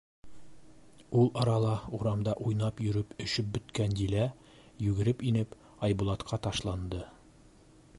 Ул арала урамда уйнап йөрөп өшөп бөткән Дилә, йүгереп инеп, Айбулатҡа ташланды.